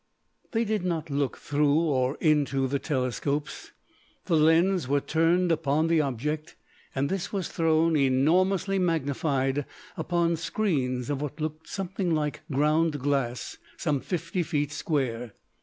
They did not look through or into the telescopes. The lens was turned upon the object, and this was thrown, enormously magnified, upon screens of what looked something like ground glass some fifty feet square.